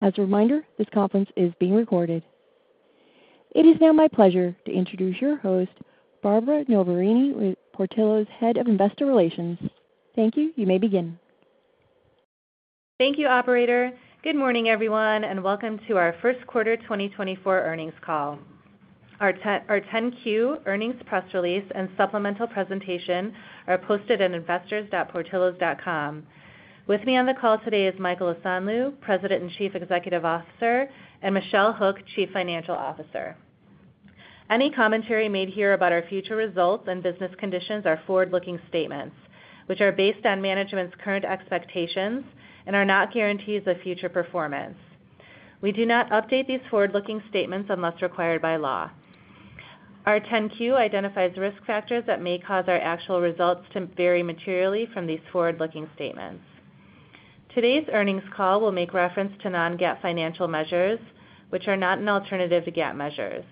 As a reminder, this conference is being recorded. It is now my pleasure to introduce your host, Barbara Noverini, with Portillo's Head of Investor Relations. Thank you. You may begin. Thank you, operator. Good morning, everyone, and welcome to our first quarter 2024 earnings call. Our 10-Q earnings press release and supplemental presentation are posted at investors.portillos.com. With me on the call today is Michael Osanloo, President and Chief Executive Officer, and Michelle Hook, Chief Financial Officer. Any commentary made here about our future results and business conditions are forward-looking statements, which are based on management's current expectations and are not guarantees of future performance. We do not update these forward-looking statements unless required by law. Our 10-Q identifies risk factors that may cause our actual results to vary materially from these forward-looking statements. Today's earnings call will make reference to non-GAAP financial measures, which are not an alternative to GAAP measures.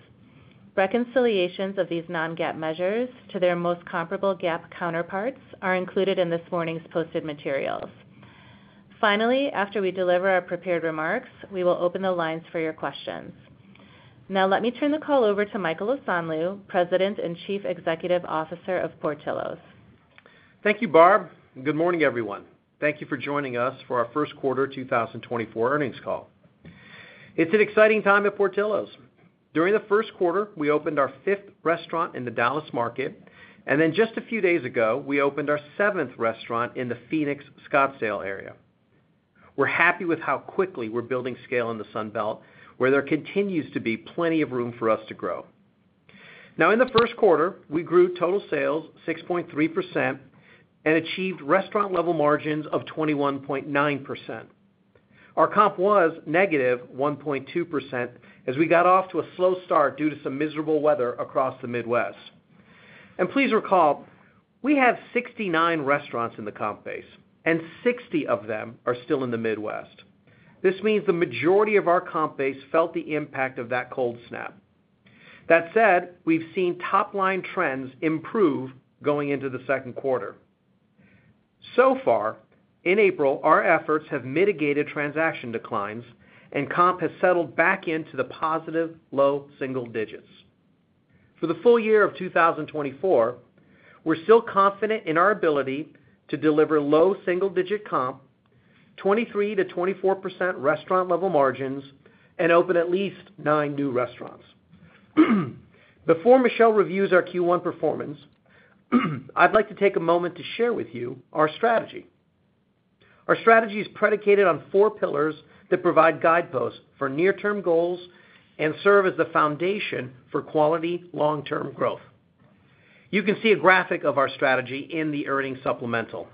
Reconciliations of these non-GAAP measures to their most comparable GAAP counterparts are included in this morning's posted materials. Finally, after we deliver our prepared remarks, we will open the lines for your questions. Now let me turn the call over to Michael Osanloo, President and Chief Executive Officer of Portillo's. Thank you, Barb. Good morning, everyone. Thank you for joining us for our first quarter 2024 earnings call. It's an exciting time at Portillo's. During the first quarter, we opened our fifth restaurant in the Dallas market, and then just a few days ago, we opened our seventh restaurant in the Phoenix, Scottsdale area. We're happy with how quickly we're building scale in the Sunbelt, where there continues to be plenty of room for us to grow. Now, in the first quarter, we grew total sales 6.3% and achieved restaurant-level margins of 21.9%. Our comp was negative 1.2% as we got off to a slow start due to some miserable weather across the Midwest. Please recall, we have 69 restaurants in the comp base, and 60 of them are still in the Midwest. This means the majority of our comp base felt the impact of that cold snap. That said, we've seen top-line trends improve going into the second quarter. So far, in April, our efforts have mitigated transaction declines, and comp has settled back into the positive low single digits. For the full year of 2024, we're still confident in our ability to deliver low single-digit comp, 23%-24% restaurant-level margins, and open at least nine new restaurants. Before Michelle reviews our Q1 performance, I'd like to take a moment to share with you our strategy. Our strategy is predicated on four pillars that provide guideposts for near-term goals and serve as the foundation for quality long-term growth. You can see a graphic of our strategy in the earnings supplemental.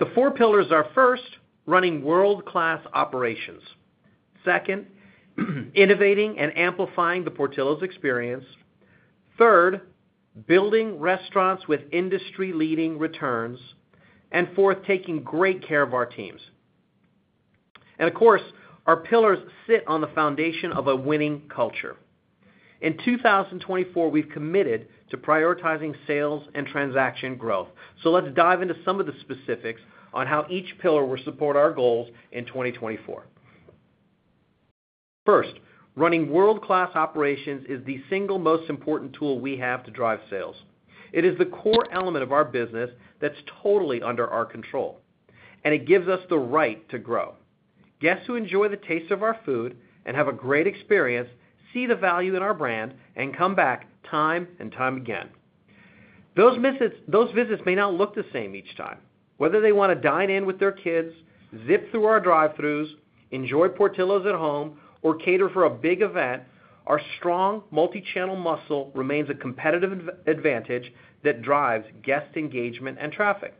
The four pillars are, first, running world-class operations; second, innovating and amplifying the Portillo's experience; third, building restaurants with industry-leading returns; and fourth, taking great care of our teams. Of course, our pillars sit on the foundation of a winning culture. In 2024, we've committed to prioritizing sales and transaction growth. Let's dive into some of the specifics on how each pillar will support our goals in 2024. First, running world-class operations is the single most important tool we have to drive sales. It is the core element of our business that's totally under our control, and it gives us the right to grow. Guests who enjoy the taste of our food and have a great experience see the value in our brand and come back time and time again. Those visits may not look the same each time. Whether they want to dine in with their kids, zip through our drive-throughs, enjoy Portillo's at home, or cater for a big event, our strong multi-channel muscle remains a competitive advantage that drives guest engagement and traffic.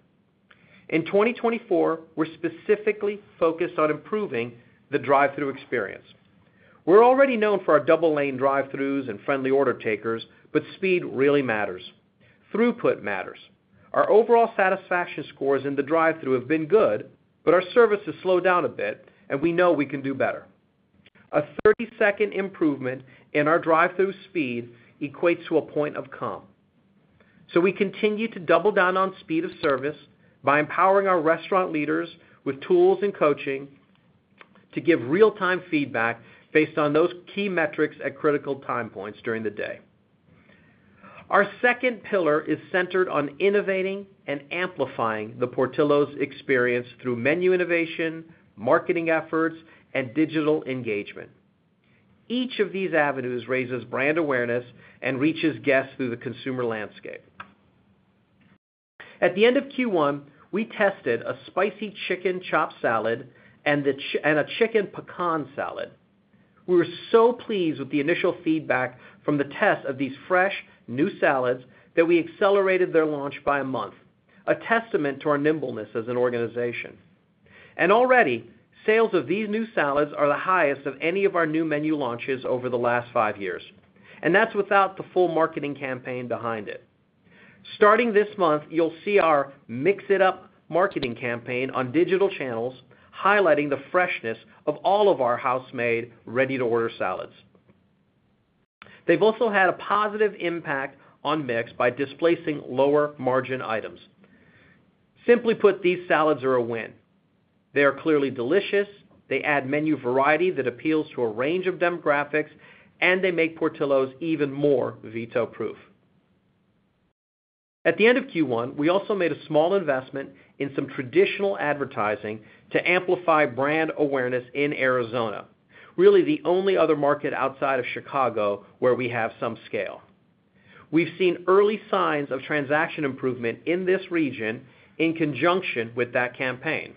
In 2024, we're specifically focused on improving the drive-through experience. We're already known for our double-lane drive-throughs and friendly order takers, but speed really matters. Throughput matters. Our overall satisfaction scores in the drive-through have been good, but our service has slowed down a bit, and we know we can do better. A 30-second improvement in our drive-through speed equates to a point of calm. So we continue to double down on speed of service by empowering our restaurant leaders with tools and coaching to give real-time feedback based on those key metrics at critical time points during the day. Our second pillar is centered on innovating and amplifying the Portillo's experience through menu innovation, marketing efforts, and digital engagement. Each of these avenues raises brand awareness and reaches guests through the consumer landscape. At the end of Q1, we tested a Spicy Chicken Chopped Salad and a Chicken Pecan Salad. We were so pleased with the initial feedback from the test of these fresh, new salads that we accelerated their launch by a month, a testament to our nimbleness as an organization. And already, sales of these new salads are the highest of any of our new menu launches over the last five years, and that's without the full marketing campaign behind it. Starting this month, you'll see our Mix It Up marketing campaign on digital channels highlighting the freshness of all of our house-made, ready-to-order salads. They've also had a positive impact on mix by displacing lower-margin items. Simply put, these salads are a win. They are clearly delicious, they add menu variety that appeals to a range of demographics, and they make Portillo's even more veto-proof. At the end of Q1, we also made a small investment in some traditional advertising to amplify brand awareness in Arizona, really the only other market outside of Chicago where we have some scale. We've seen early signs of transaction improvement in this region in conjunction with that campaign.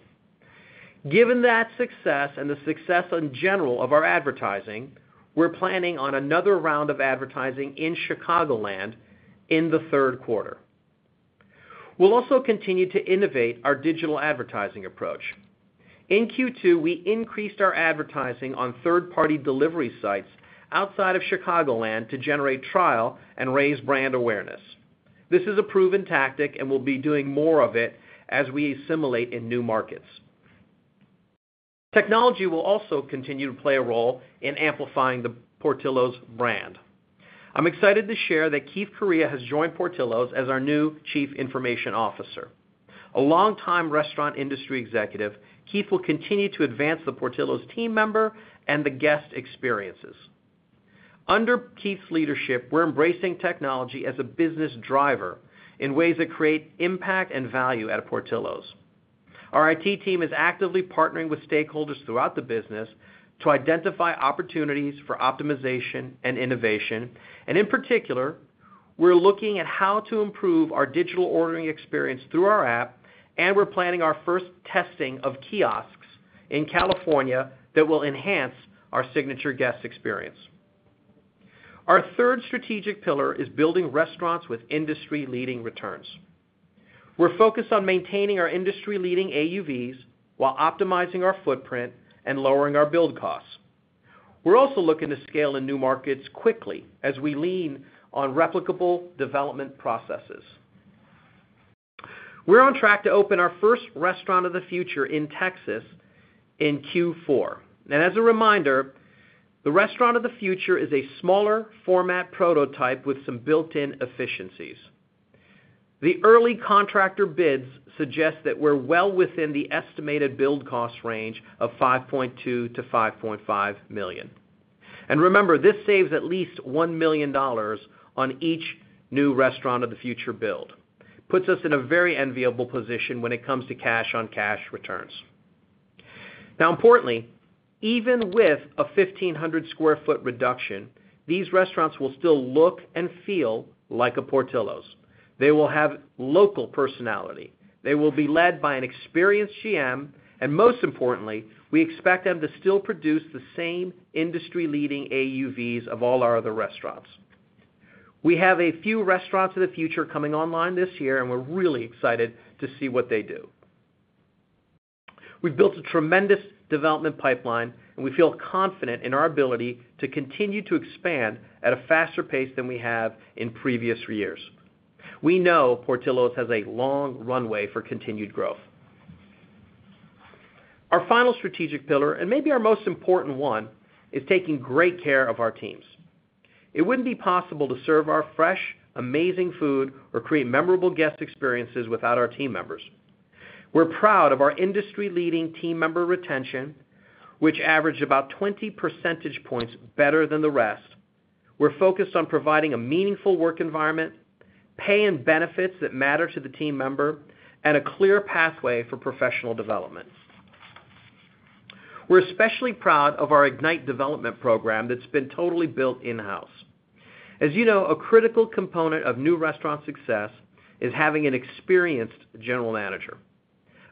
Given that success and the success in general of our advertising, we're planning on another round of advertising in Chicagoland in the third quarter. We'll also continue to innovate our digital advertising approach. In Q2, we increased our advertising on third-party delivery sites outside of Chicagoland to generate trial and raise brand awareness. This is a proven tactic, and we'll be doing more of it as we assimilate in new markets. Technology will also continue to play a role in amplifying the Portillo's brand. I'm excited to share that Keith Correa has joined Portillo's as our new Chief Information Officer. A long-time restaurant industry executive, Keith will continue to advance the Portillo's team member and the guest experiences. Under Keith's leadership, we're embracing technology as a business driver in ways that create impact and value at Portillo's. Our IT team is actively partnering with stakeholders throughout the business to identify opportunities for optimization and innovation. In particular, we're looking at how to improve our digital ordering experience through our app, and we're planning our first testing of kiosks in California that will enhance our signature guest experience. Our third strategic pillar is building restaurants with industry-leading returns. We're focused on maintaining our industry-leading AUVs while optimizing our footprint and lowering our build costs. We're also looking to scale in new markets quickly as we lean on replicable development processes. We're on track to open our first Restaurant of the Future in Texas in Q4. As a reminder, the Restaurant of the Future is a smaller-format prototype with some built-in efficiencies. The early contractor bids suggest that we're well within the estimated build cost range of $5.2-$5.5 million. And remember, this saves at least $1 million on each new Restaurant of the Future build, puts us in a very enviable position when it comes to cash-on-cash returns. Now, importantly, even with a 1,500-sq-ft reduction, these restaurants will still look and feel like a Portillo's. They will have local personality. They will be led by an experienced GM. And most importantly, we expect them to still produce the same industry-leading AUVs of all our other restaurants. We have a few Restaurants of the Future coming online this year, and we're really excited to see what they do. We've built a tremendous development pipeline, and we feel confident in our ability to continue to expand at a faster pace than we have in previous years. We know Portillo's has a long runway for continued growth. Our final strategic pillar, and maybe our most important one, is taking great care of our teams. It wouldn't be possible to serve our fresh, amazing food or create memorable guest experiences without our team members. We're proud of our industry-leading team member retention, which averaged about 20 percentage points better than the rest. We're focused on providing a meaningful work environment, pay and benefits that matter to the team member, and a clear pathway for professional development. We're especially proud of our Ignite development program that's been totally built in-house. As you know, a critical component of new restaurant success is having an experienced general manager.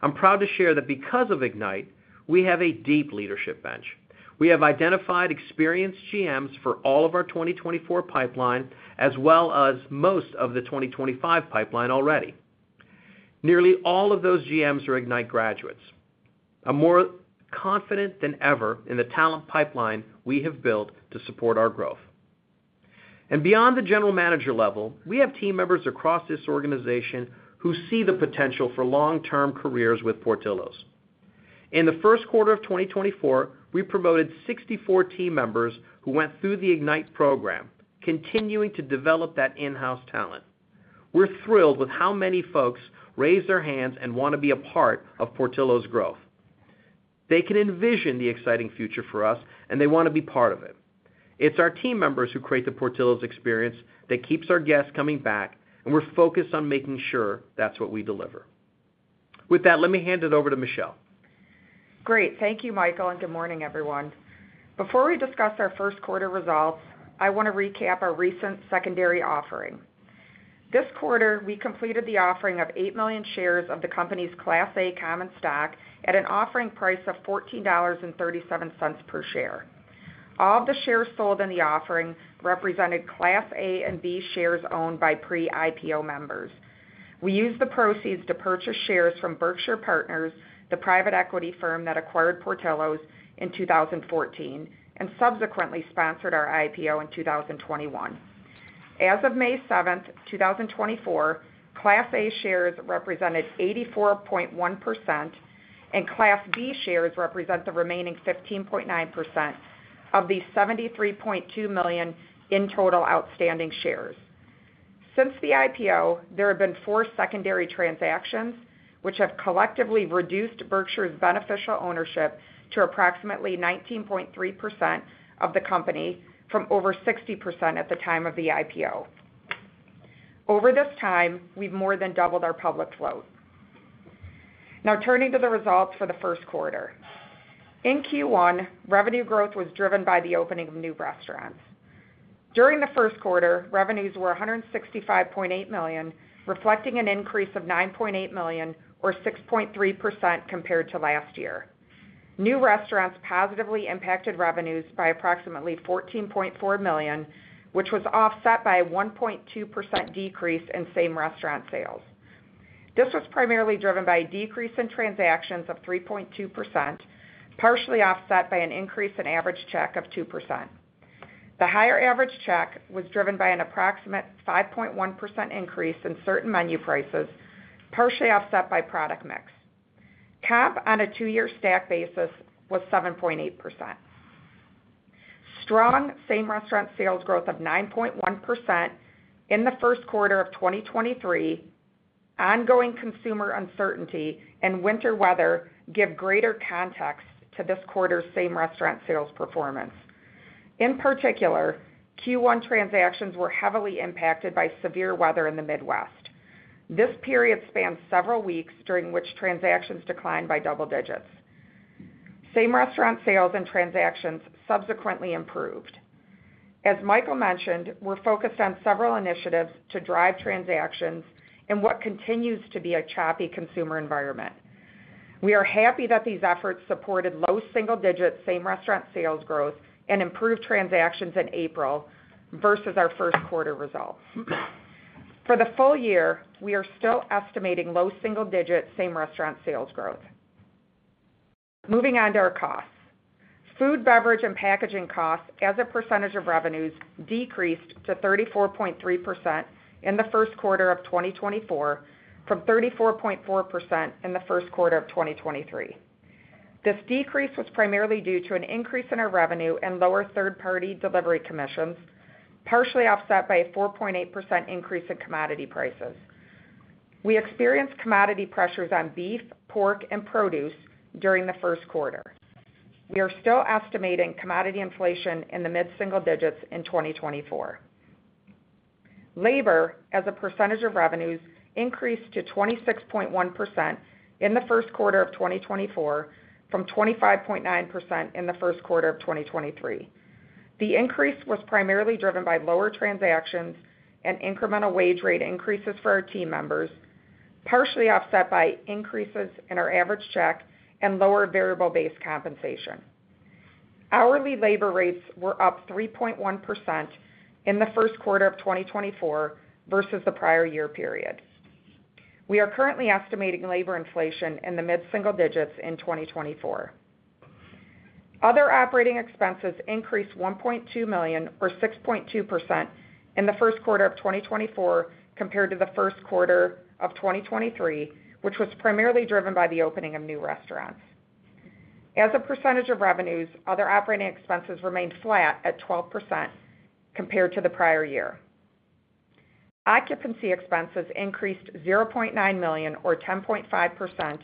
I'm proud to share that because of Ignite, we have a deep leadership bench. We have identified experienced GMs for all of our 2024 pipeline as well as most of the 2025 pipeline already. Nearly all of those GMs are Ignite graduates. I'm more confident than ever in the talent pipeline we have built to support our growth. And beyond the general manager level, we have team members across this organization who see the potential for long-term careers with Portillo's. In the first quarter of 2024, we promoted 64 team members who went through the Ignite program, continuing to develop that in-house talent. We're thrilled with how many folks raised their hands and want to be a part of Portillo's growth. They can envision the exciting future for us, and they want to be part of it. It's our team members who create the Portillo's experience that keeps our guests coming back, and we're focused on making sure that's what we deliver. With that, let me hand it over to Michelle. Great. Thank you, Michael, and good morning, everyone. Before we discuss our first quarter results, I want to recap our recent secondary offering. This quarter, we completed the offering of 8 million shares of the company's Class A common stock at an offering price of $14.37 per share. All of the shares sold in the offering represented Class A and B shares owned by pre-IPO members. We used the proceeds to purchase shares from Berkshire Partners, the private equity firm that acquired Portillo's in 2014, and subsequently sponsored our IPO in 2021. As of May 7, 2024, Class A shares represented 84.1%, and Class B shares represent the remaining 15.9% of the 73.2 million in total outstanding shares. Since the IPO, there have been four secondary transactions which have collectively reduced Berkshire's beneficial ownership to approximately 19.3% of the company from over 60% at the time of the IPO. Over this time, we've more than doubled our public float. Now, turning to the results for the first quarter. In Q1, revenue growth was driven by the opening of new restaurants. During the first quarter, revenues were $165.8 million, reflecting an increase of $9.8 million, or 6.3%, compared to last year. New restaurants positively impacted revenues by approximately $14.4 million, which was offset by a 1.2% decrease in same-restaurant sales. This was primarily driven by a decrease in transactions of 3.2%, partially offset by an increase in average check of 2%. The higher average check was driven by an approximate 5.1% increase in certain menu prices, partially offset by product mix. Comp on a two-year stack basis was 7.8%. Strong same-restaurant sales growth of 9.1% in the first quarter of 2023, ongoing consumer uncertainty, and winter weather give greater context to this quarter's same-restaurant sales performance. In particular, Q1 transactions were heavily impacted by severe weather in the Midwest. This period spanned several weeks during which transactions declined by double digits. Same-restaurant sales and transactions subsequently improved. As Michael mentioned, we're focused on several initiatives to drive transactions in what continues to be a choppy consumer environment. We are happy that these efforts supported low single-digit same-restaurant sales growth and improved transactions in April versus our first quarter results. For the full year, we are still estimating low single-digit same-restaurant sales growth. Moving on to our costs. Food, beverage, and packaging costs, as a percentage of revenues, decreased to 34.3% in the first quarter of 2024 from 34.4% in the first quarter of 2023. This decrease was primarily due to an increase in our revenue and lower third-party delivery commissions, partially offset by a 4.8% increase in commodity prices. We experienced commodity pressures on beef, pork, and produce during the first quarter. We are still estimating commodity inflation in the mid-single digits in 2024. Labor, as a percentage of revenues, increased to 26.1% in the first quarter of 2024 from 25.9% in the first quarter of 2023. The increase was primarily driven by lower transactions and incremental wage rate increases for our team members, partially offset by increases in our average check and lower variable-based compensation. Hourly labor rates were up 3.1% in the first quarter of 2024 versus the prior year period. We are currently estimating labor inflation in the mid-single digits in 2024. Other operating expenses increased $1.2 million, or 6.2%, in the first quarter of 2024 compared to the first quarter of 2023, which was primarily driven by the opening of new restaurants. As a percentage of revenues, other operating expenses remained flat at 12% compared to the prior year. Occupancy expenses increased $0.9 million, or 10.5%,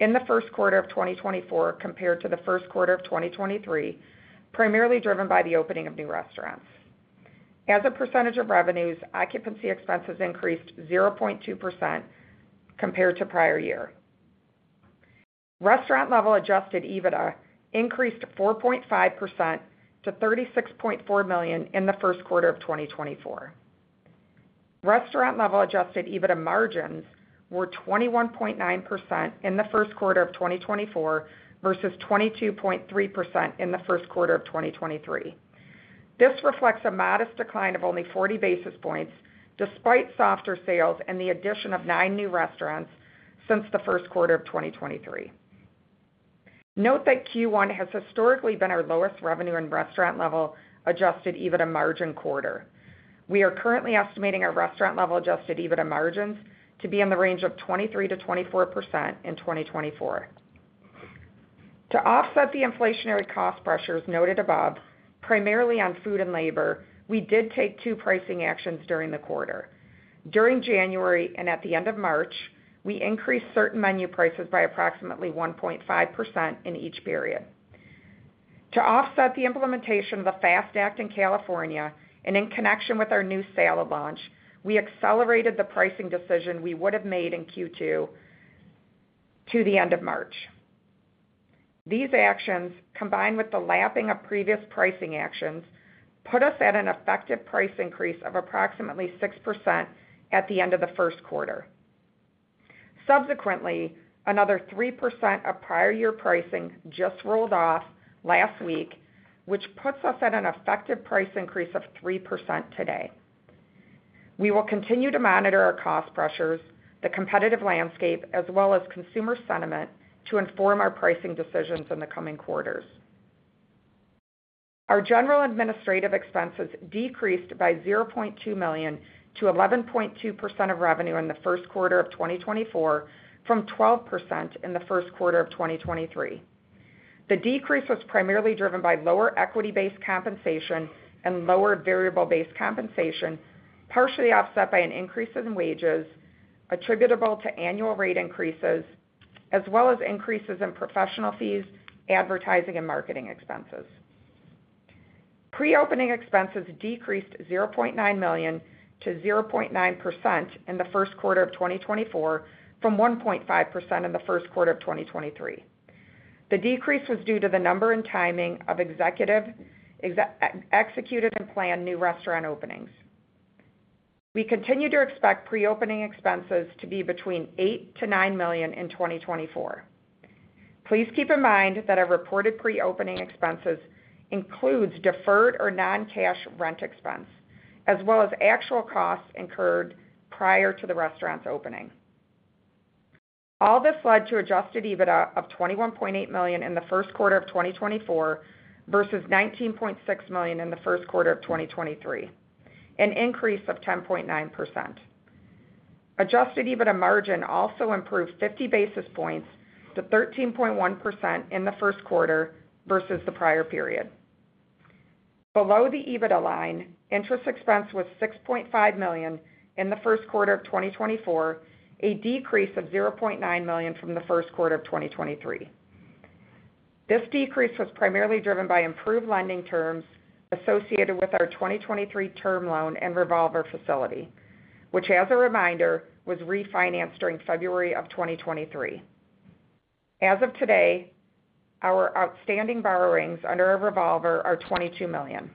in the first quarter of 2024 compared to the first quarter of 2023, primarily driven by the opening of new restaurants. As a percentage of revenues, occupancy expenses increased 0.2% compared to prior year. Restaurant-Level Adjusted EBITDA increased 4.5% to $36.4 million in the first quarter of 2024. Restaurant-Level Adjusted EBITDA margins were 21.9% in the first quarter of 2024 versus 22.3% in the first quarter of 2023. This reflects a modest decline of only 40 basis points despite softer sales and the addition of nine new restaurants since the first quarter of 2023. Note that Q1 has historically been our lowest revenue in restaurant-level adjusted EBITDA margin quarter. We are currently estimating our restaurant-level adjusted EBITDA margins to be in the range of 23%-24% in 2024. To offset the inflationary cost pressures noted above, primarily on food and labor, we did take two pricing actions during the quarter. During January and at the end of March, we increased certain menu prices by approximately 1.5% in each period. To offset the implementation of the FAST Act in California and in connection with our new salad launch, we accelerated the pricing decision we would have made in Q2 to the end of March. These actions, combined with the lapping of previous pricing actions, put us at an effective price increase of approximately 6% at the end of the first quarter. Subsequently, another 3% of prior-year pricing just rolled off last week, which puts us at an effective price increase of 3% today. We will continue to monitor our cost pressures, the competitive landscape, as well as consumer sentiment to inform our pricing decisions in the coming quarters. Our General and administrative expenses decreased by $0.2 million to 11.2% of revenue in the first quarter of 2024 from 12% in the first quarter of 2023. The decrease was primarily driven by lower equity-based compensation and lower variable-based compensation, partially offset by an increase in wages attributable to annual rate increases, as well as increases in professional fees, advertising, and marketing expenses. Pre-opening expenses decreased $0.9 million to 0.9% in the first quarter of 2024 from 1.5% in the first quarter of 2023. The decrease was due to the number and timing of executed and planned new restaurant openings. We continue to expect pre-opening expenses to be between $8 million-$9 million in 2024. Please keep in mind that our reported pre-opening expenses include deferred or non-cash rent expense, as well as actual costs incurred prior to the restaurant's opening. All this led to Adjusted EBITDA of $21.8 million in the first quarter of 2024 versus $19.6 million in the first quarter of 2023, an increase of 10.9%. Adjusted EBITDA margin also improved 50 basis points to 13.1% in the first quarter versus the prior period. Below the EBITDA line, interest expense was $6.5 million in the first quarter of 2024, a decrease of $0.9 million from the first quarter of 2023. This decrease was primarily driven by improved lending terms associated with our 2023 term loan and revolver facility, which, as a reminder, was refinanced during February of 2023. As of today, our outstanding borrowings under our revolver are $22 million.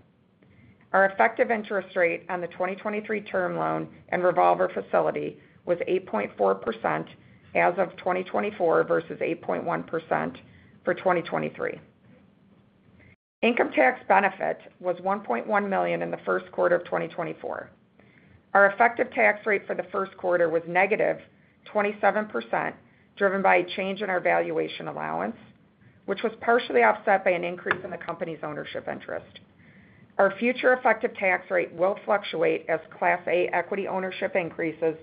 Our effective interest rate on the 2023 term loan and revolver facility was 8.4% as of 2024 versus 8.1% for 2023. Income tax benefit was $1.1 million in the first quarter of 2024. Our effective tax rate for the first quarter was negative, -27%, driven by a change in our valuation allowance, which was partially offset by an increase in the company's ownership interest. Our future effective tax rate will fluctuate as Class A equity ownership increases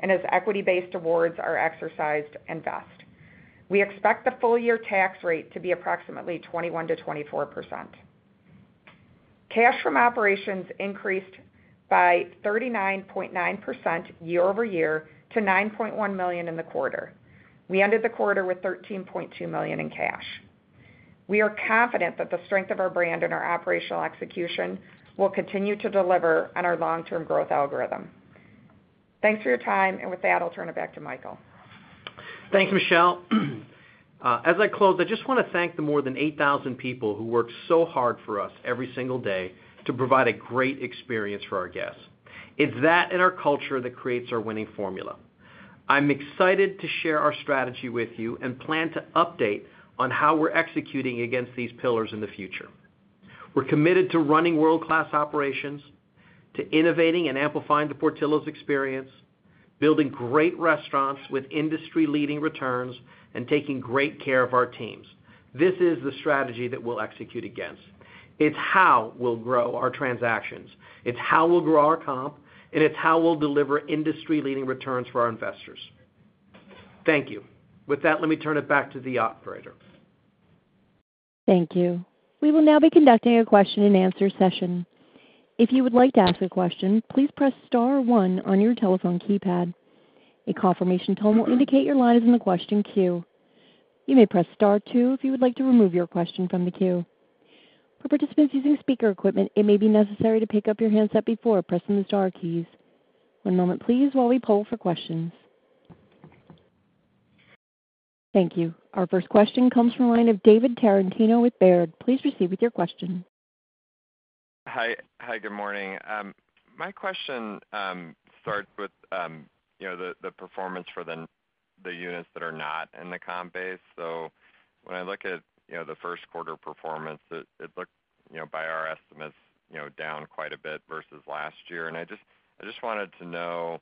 and as equity-based awards are exercised and vest. We expect the full-year tax rate to be approximately 21-24%. Cash from operations increased by 39.9% year-over-year to $9.1 million in the quarter. We ended the quarter with $13.2 million in cash. We are confident that the strength of our brand and our operational execution will continue to deliver on our long-term growth algorithm. Thanks for your time, and with that, I'll turn it back to Michael. Thanks, Michelle. As I close, I just want to thank the more than 8,000 people who work so hard for us every single day to provide a great experience for our guests. It's that and our culture that creates our winning formula. I'm excited to share our strategy with you and plan to update on how we're executing against these pillars in the future. We're committed to running world-class operations, to innovating and amplifying the Portillo's experience, building great restaurants with industry-leading returns, and taking great care of our teams. This is the strategy that we'll execute against. It's how we'll grow our transactions. It's how we'll grow our comp. And it's how we'll deliver industry-leading returns for our investors. Thank you. With that, let me turn it back to the operator. Thank you. We will now be conducting a question-and-answer session. If you would like to ask a question, please press star one on your telephone keypad. A confirmation tone will indicate your line is in the question queue. You may press Star two if you would like to remove your question from the queue. For participants using speaker equipment, it may be necessary to pick up your handset before pressing the star keys. One moment, please, while we poll for questions. Thank you. Our first question comes from a line of David Tarantino with Baird. Please proceed with your question. Hi. Hi. Good morning. My question starts with, you know, the performance for the units that are not in the comp base. So when I look at, you know, the first quarter performance, it looked, you know, by our estimates, you know, down quite a bit versus last year. And I just wanted to know,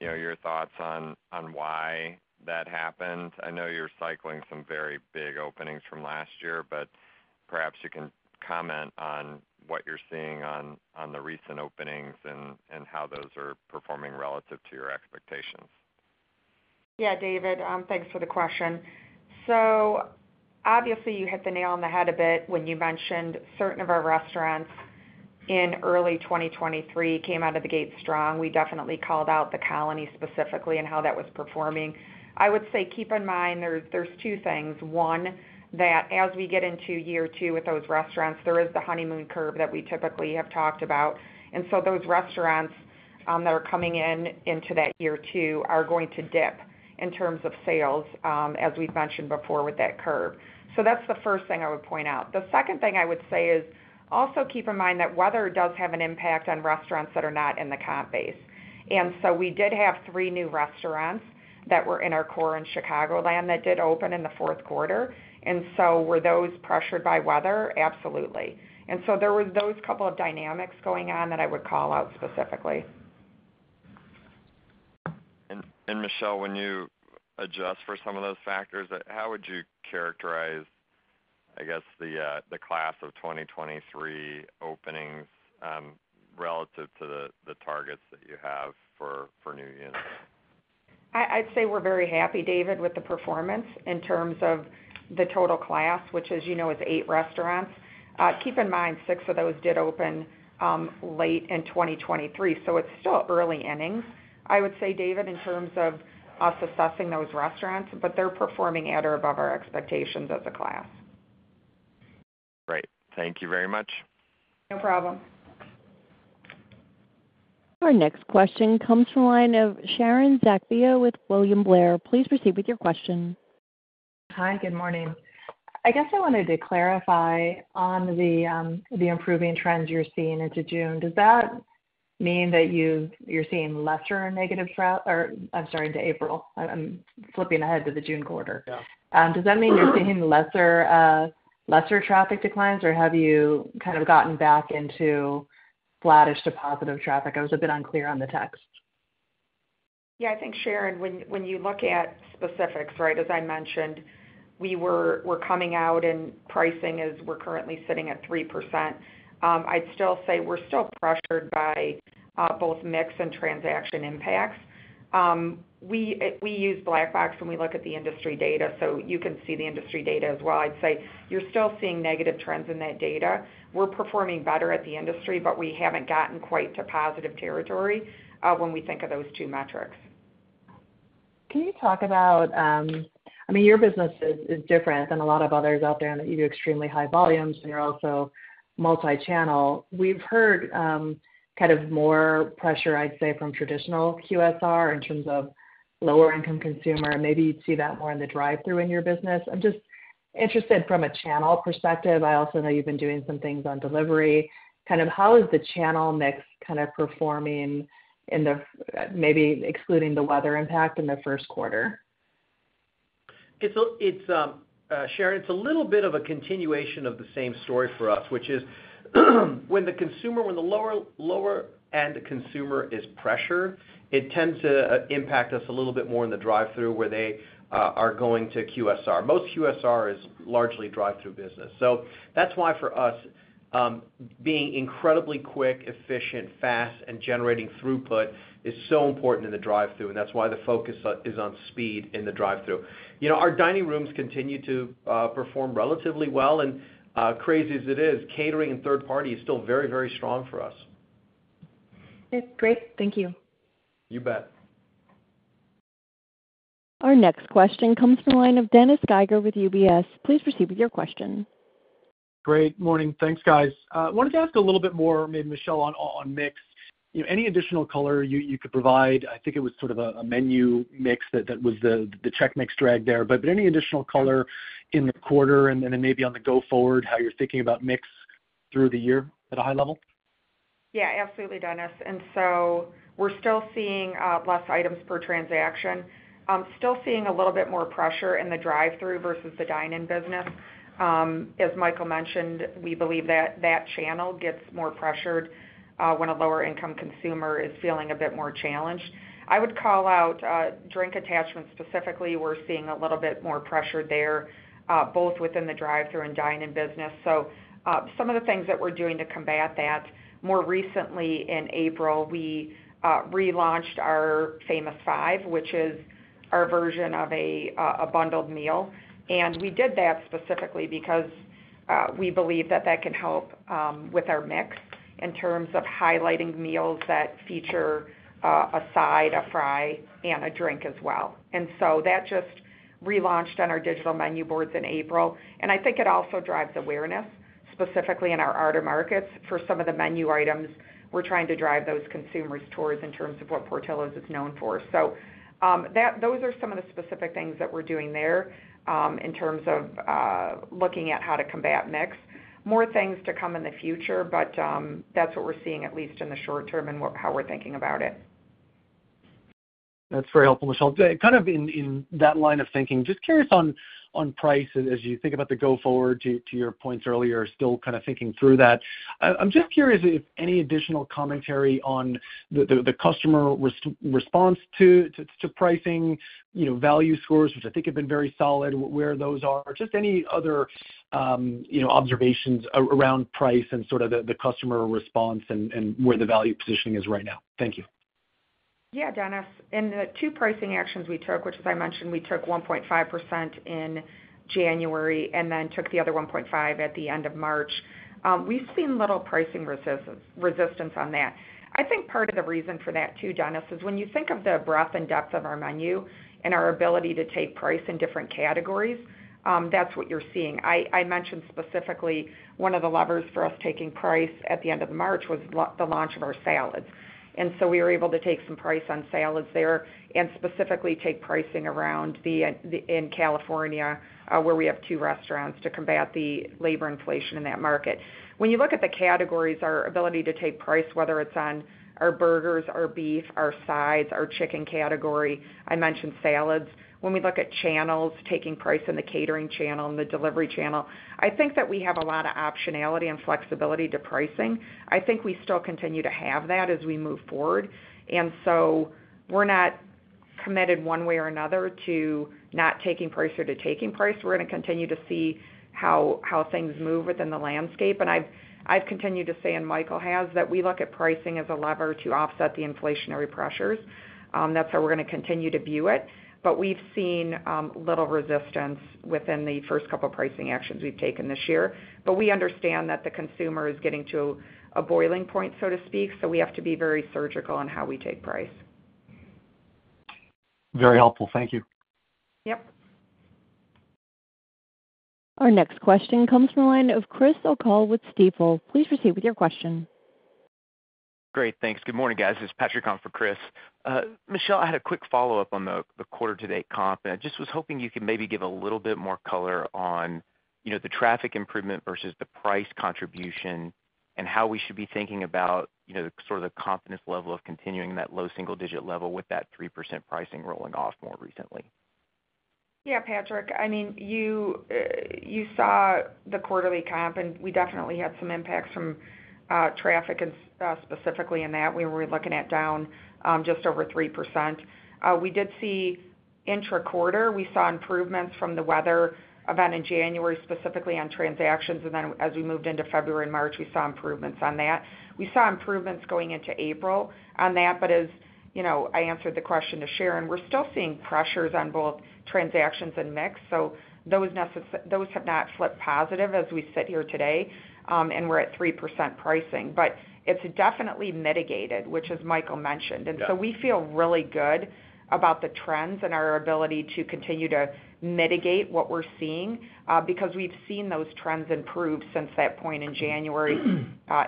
you know, your thoughts on why that happened. I know you're cycling some very big openings from last year, but perhaps you can comment on what you're seeing on the recent openings and how those are performing relative to your expectations. Yeah, David. Thanks for the question. So obviously, you hit the nail on the head a bit when you mentioned certain of our restaurants in early 2023 came out of the gate strong. We definitely called out The Colony specifically and how that was performing. I would say keep in mind there's, there's two things. One, that as we get into year two with those restaurants, there is the honeymoon curve that we typically have talked about. And so those restaurants, that are coming in, into that year two are going to dip in terms of sales, as we've mentioned before with that curve. So that's the first thing I would point out. The second thing I would say is also keep in mind that weather does have an impact on restaurants that are not in the comp base. And so we did have three new restaurants that were in our core in Chicagoland that did open in the fourth quarter. And so were those pressured by weather? Absolutely. And so there were those couple of dynamics going on that I would call out specifically. And Michelle, when you adjust for some of those factors, how would you characterize, I guess, the class of 2023 openings, relative to the targets that you have for new units? I, I'd say we're very happy, David, with the performance in terms of the total class, which, as you know, is eight restaurants. Keep in mind six of those did open, late in 2023. So it's still early innings, I would say, David, in terms of us assessing those restaurants. But they're performing at or above our expectations as a class. Great. Thank you very much. No problem. Our next question comes from a line of Sharon Zackfia with William Blair. Please proceed with your question. Hi. Good morning. I guess I wanted to clarify on the improving trends you're seeing into June. Does that mean that you're seeing lesser negative tra or I'm sorry, into April. I'm flipping ahead to the June quarter. Yeah. Does that mean you're seeing lesser, lesser traffic declines, or have you kind of gotten back into flattish to positive traffic? I was a bit unclear on the text. Yeah. I think, Sharon, when you look at specifics, right, as I mentioned, we were coming out, and pricing, we're currently sitting at 3%. I'd still say we're still pressured by both mix and transaction impacts. We use Black Box, and we look at the industry data. So you can see the industry data as well. I'd say you're still seeing negative trends in that data. We're performing better than the industry, but we haven't gotten quite to positive territory, when we think of those two metrics. Can you talk about, I mean, your business is, is different than a lot of others out there, and you do extremely high volumes, and you're also multi-channel. We've heard, kind of more pressure, I'd say, from traditional QSR in terms of lower-income consumer. Maybe you'd see that more in the drive-through in your business. I'm just interested from a channel perspective. I also know you've been doing some things on delivery. Kind of how is the channel mix kind of performing in the first, maybe excluding the weather impact in the first quarter? It's, Sharon, it's a little bit of a continuation of the same story for us, which is when the lower-end consumer is pressured, it tends to impact us a little bit more in the drive-through where they are going to QSR. Most QSR is largely drive-through business. So that's why for us, being incredibly quick, efficient, fast, and generating throughput is so important in the drive-through. And that's why the focus is on speed in the drive-through. You know, our dining rooms continue to perform relatively well. And, crazy as it is, catering and third-party is still very, very strong for us. That's great. Thank you. You bet. Our next question comes from a line of Dennis Geiger with UBS. Please proceed with your question. Good morning. Thanks, guys. I wanted to ask a little bit more, maybe, Michelle, on mix. You know, any additional color you could provide? I think it was sort of a menu mix that was the check mix drag there. But any additional color in the quarter and then maybe on the go-forward, how you're thinking about mix through the year at a high level? Yeah. Absolutely, Dennis. And so we're still seeing less items per transaction, still seeing a little bit more pressure in the drive-through versus the dine-in business. As Michael mentioned, we believe that that channel gets more pressured when a lower-income consumer is feeling a bit more challenged. I would call out drink attachments specifically. We're seeing a little bit more pressure there, both within the drive-through and dine-in business. So some of the things that we're doing to combat that. More recently in April, we relaunched our Famous five, which is our version of a bundled meal. And we did that specifically because we believe that that can help with our mix in terms of highlighting meals that feature a side, a fry, and a drink as well. And so that just relaunched on our digital menu boards in April. I think it also drives awareness, specifically in our out of markets, for some of the menu items we're trying to drive those consumers towards in terms of what Portillo's is known for. So those are some of the specific things that we're doing there, in terms of looking at how to combat mix. More things to come in the future, but that's what we're seeing, at least in the short term, and how we're thinking about it. That's very helpful, Michelle. I'd kind of in that line of thinking, just curious on price as you think about the go-forward to your points earlier, still kind of thinking through that. I'm just curious if any additional commentary on the customer response to pricing, you know, value scores, which I think have been very solid, where those are. Just any other, you know, observations around price and sort of the customer response and where the value positioning is right now. Thank you. Yeah, Dennis. In the two pricing actions we took, which, as I mentioned, we took 1.5% in January and then took the other 1.5 at the end of March. We've seen little pricing resistance on that. I think part of the reason for that too, Dennis, is when you think of the breadth and depth of our menu and our ability to take price in different categories, that's what you're seeing. I mentioned specifically one of the levers for us taking price at the end of March was the launch of our salads. And so we were able to take some price on salads there and specifically take pricing in California, where we have two restaurants to combat the labor inflation in that market. When you look at the categories, our ability to take price, whether it's on our burgers, our beef, our sides, our chicken category - I mentioned salads - when we look at channels, taking price in the catering channel and the delivery channel, I think that we have a lot of optionality and flexibility to pricing. I think we still continue to have that as we move forward. And so we're not committed one way or another to not taking price or to taking price. We're going to continue to see how, how things move within the landscape. And I've, I've continued to say, and Michael has, that we look at pricing as a lever to offset the inflationary pressures. That's how we're going to continue to view it. But we've seen little resistance within the first couple of pricing actions we've taken this year. But we understand that the consumer is getting to a boiling point, so to speak. So we have to be very surgical in how we take price. Very helpful. Thank you. Yep. Our next question comes from a line of Chris O'Cull with Stifel. Please proceed with your question. Great. Thanks. Good morning, guys. This is Patrick on for Chris. Michelle, I had a quick follow-up on the quarter-to-date comp. And I just was hoping you could maybe give a little bit more color on, you know, the traffic improvement versus the price contribution and how we should be thinking about, you know, the sort of the confidence level of continuing that low single-digit level with that 3% pricing rolling off more recently. Yeah, Patrick. I mean, you saw the quarterly comp, and we definitely had some impacts from traffic and specifically in that. We were looking at down just over 3%. We did see intra-quarter improvements from the weather event in January, specifically on transactions. And then as we moved into February and March, we saw improvements on that. We saw improvements going into April on that. But as you know, I answered the question to Sharon, we're still seeing pressures on both transactions and mix. So those necessarily have not flipped positive as we sit here today, and we're at 3% pricing. But it's definitely mitigated, which as Michael mentioned. And so we feel really good about the trends and our ability to continue to mitigate what we're seeing, because we've seen those trends improve since that point in January,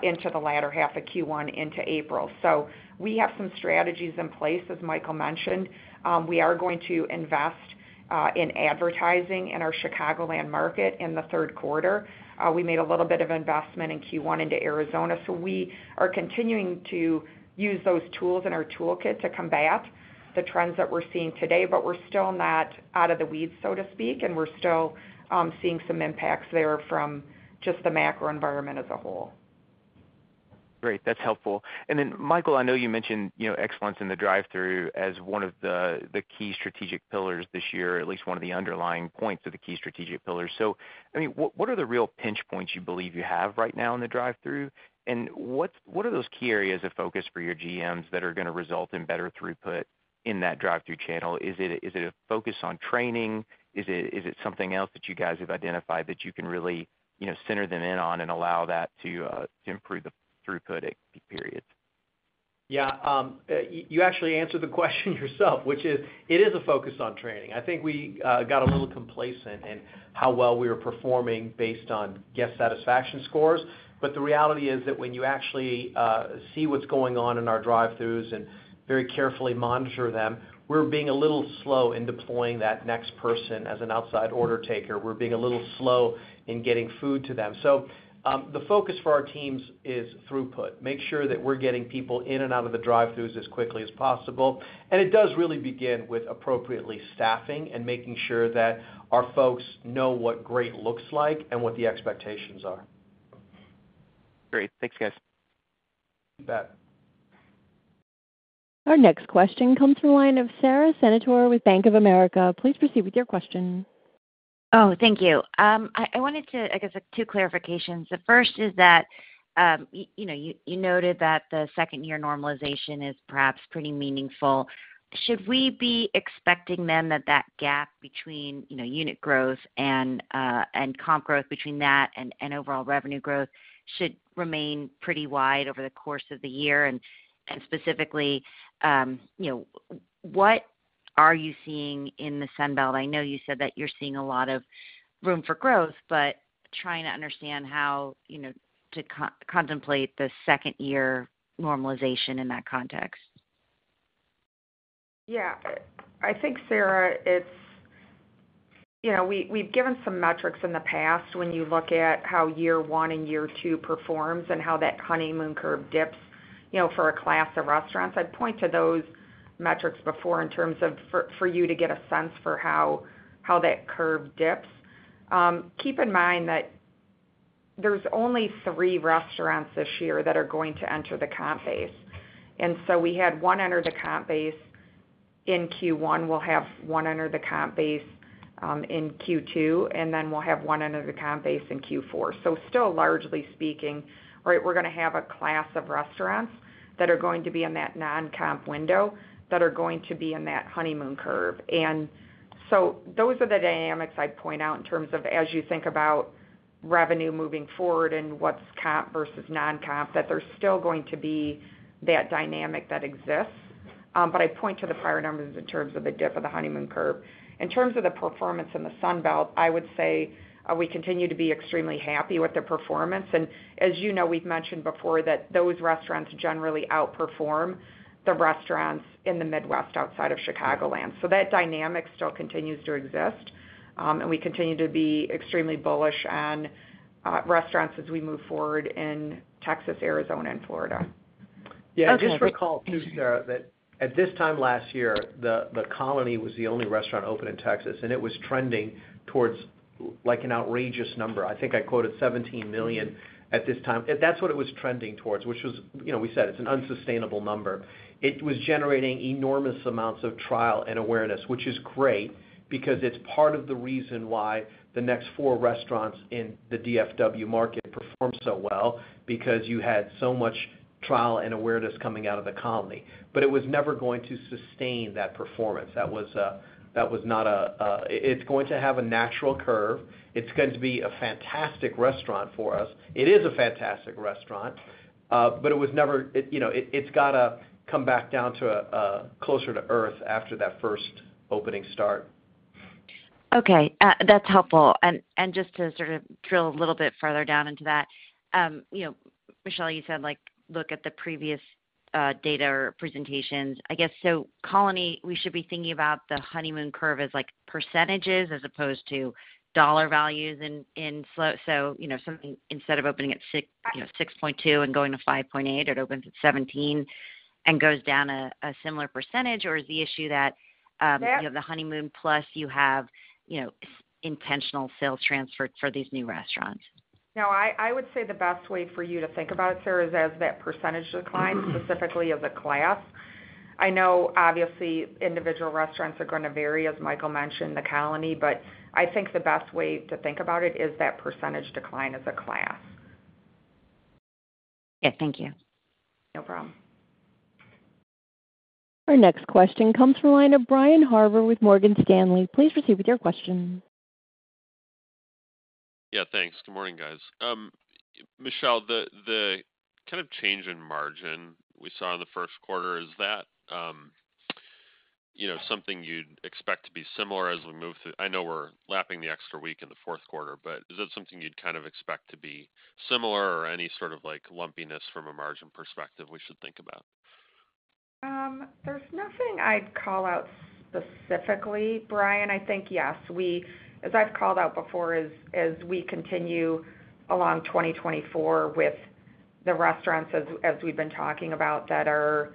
into the latter half of Q1 into April. So we have some strategies in place, as Michael mentioned. We are going to invest in advertising in our Chicagoland market in the third quarter. We made a little bit of investment in Q1 into Arizona. So we are continuing to use those tools in our toolkit to combat the trends that we're seeing today. But we're still not out of the weeds, so to speak. And we're still seeing some impacts there from just the macro environment as a whole. Great. That's helpful. And then, Michael, I know you mentioned, you know, excellence in the drive-through as one of the key strategic pillars this year, at least one of the underlying points of the key strategic pillars. So, I mean, what are the real pinch points you believe you have right now in the drive-through? And what are those key areas of focus for your GMs that are going to result in better throughput in that drive-through channel? Is it a focus on training? Is it something else that you guys have identified that you can really, you know, center them in on and allow that to improve the throughput at peak periods? Yeah. You actually answered the question yourself, which is it is a focus on training. I think we got a little complacent in how well we were performing based on guest satisfaction scores. But the reality is that when you actually see what's going on in our drive-throughs and very carefully monitor them, we're being a little slow in deploying that next person as an outside order taker. We're being a little slow in getting food to them. So, the focus for our teams is throughput. Make sure that we're getting people in and out of the drive-throughs as quickly as possible. And it does really begin with appropriately staffing and making sure that our folks know what great looks like and what the expectations are. Great. Thanks, guys. You bet. Our next question comes from a line of Sara Senatore with Bank of America. Please proceed with your question. Oh, thank you. I wanted to, I guess, two clarifications. The first is that, you know, you noted that the second-year normalization is perhaps pretty meaningful. Should we be expecting, then, that that gap between, you know, unit growth and comp growth between that and overall revenue growth should remain pretty wide over the course of the year? And specifically, you know, what are you seeing in the Sun Belt? I know you said that you're seeing a lot of room for growth, but trying to understand how, you know, to contemplate the second-year normalization in that context. Yeah. I think, Sarah, it's you know, we, we've given some metrics in the past when you look at how year 1 and year two performs and how that honeymoon curve dips, you know, for a class of restaurants. I'd point to those metrics before in terms of for, for you to get a sense for how, how that curve dips. Keep in mind that there's only three restaurants this year that are going to enter the comp base. And so we had one enter the comp base in Q1. We'll have 1 enter the comp base in Q2. And then we'll have 1 enter the comp base in Q4. So still, largely speaking, right, we're going to have a class of restaurants that are going to be in that non-comp window that are going to be in that honeymoon curve. So those are the dynamics I'd point out in terms of as you think about revenue moving forward and what's comp versus non-comp, that there's still going to be that dynamic that exists. But I point to the prior numbers in terms of the dip of the honeymoon curve. In terms of the performance in the Sunbelt, I would say, we continue to be extremely happy with their performance. And as you know, we've mentioned before that those restaurants generally outperform the restaurants in the Midwest outside of Chicagoland. So that dynamic still continues to exist. And we continue to be extremely bullish on restaurants as we move forward in Texas, Arizona, and Florida. Yeah. And just recall too, Sarah, that at this time last year, the Colony was the only restaurant open in Texas. And it was trending towards, like an outrageous number. I think I quoted $17 million at this time. That's what it was trending towards, which was you know, we said it's an unsustainable number. It was generating enormous amounts of trial and awareness, which is great because it's part of the reason why the next four restaurants in the DFW market performed so well because you had so much trial and awareness coming out of the Colony. But it was never going to sustain that performance. That was not a. It's going to have a natural curve. It's going to be a fantastic restaurant for us. It is a fantastic restaurant. But it was never it, you know, it's got to come back down to a closer to earth after that first opening start. Okay. That's helpful. And, and just to sort of drill a little bit further down into that, you know, Michelle, you said, like, look at the previous data or presentations. I guess so, The Colony, we should be thinking about the honeymoon curve as, like, percentages as opposed to dollar values in, in sales so, you know, something instead of opening at six, you know, 6.2 and going to 5.8, it opens at 17 and goes down a, a similar percentage? Or is the issue that? Sarah. You have the honeymoon plus you have, you know, an intentional sales transfer for these new restaurants? No. I would say the best way for you to think about it, Sarah, is as that percentage declines. Mm-hmm. Specifically as a class. I know, obviously, individual restaurants are going to vary, as Michael mentioned, The Colony. But I think the best way to think about it is that percentage decline as a class. Yeah. Thank you. No problem. Our next question comes from a line of Brian Harbour with Morgan Stanley. Please proceed with your question. Yeah. Thanks. Good morning, guys. Michelle, the kind of change in margin we saw in the first quarter, is that, you know, something you'd expect to be similar as we move through? I know we're lapping the extra week in the fourth quarter. But is that something you'd kind of expect to be similar or any sort of, like, lumpiness from a margin perspective we should think about? There's nothing I'd call out specifically, Brian. I think, yes, we—as I've called out before—as we continue along 2024 with the restaurants—as we've been talking about—that are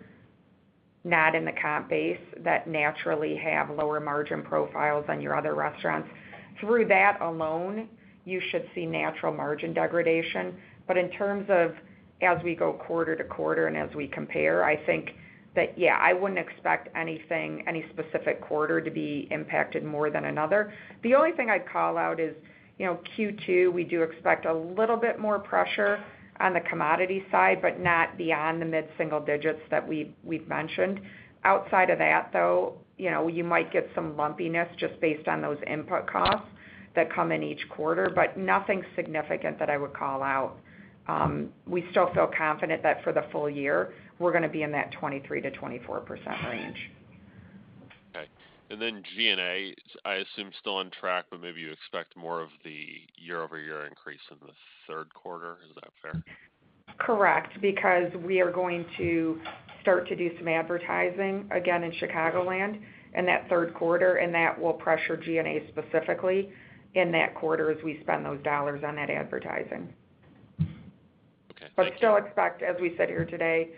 not in the comp base, that naturally have lower margin profiles than your other restaurants, through that alone, you should see natural margin degradation. But in terms of as we go quarter to quarter and as we compare, I think that, yeah, I wouldn't expect anything any specific quarter to be impacted more than another. The only thing I'd call out is, you know, Q2, we do expect a little bit more pressure on the commodity side but not beyond the mid-single digits that we've mentioned. Outside of that, though, you know, you might get some lumpiness just based on those input costs that come in each quarter. But nothing significant that I would call out. We still feel confident that for the full year, we're going to be in that 23%-24% range. Okay. And then G&A, as I assume still on track, but maybe you expect more of the year-over-year increase in the third quarter. Is that fair? Correct. Because we are going to start to do some advertising, again, in Chicagoland in that third quarter. That will pressure G&A specifically in that quarter as we spend those dollars on that advertising. Okay. Thank you. But still expect, as we said here today,